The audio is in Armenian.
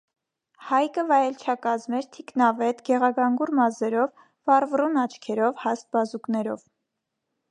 Հայկը վայելչակազմ էր, թիկնավետ, գեղագանգուր մազերով, վառվռուն աչքերով, հաստ բազուկներով։